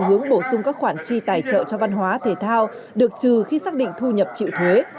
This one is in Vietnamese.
hướng bổ sung các khoản chi tài trợ cho văn hóa thể thao được trừ khi xác định thu nhập chịu thuế